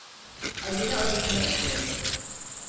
Acele adımlar atıyordu.